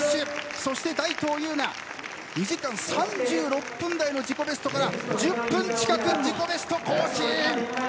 そして大東優菜２時間３６分台の自己ベストから１０分近く自己ベスト更新。